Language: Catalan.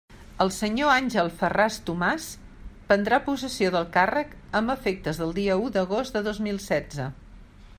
El senyor Àngel Ferràs Tomàs prendrà possessió del càrrec amb efectes del dia u d'agost de dos mil setze.